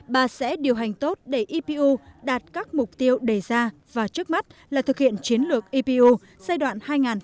bà sẽ điều hành tốt để ipu đạt các mục tiêu đề ra và trước mắt là thực hiện chiến lược ipu giai đoạn hai nghìn một mươi bảy hai nghìn hai mươi một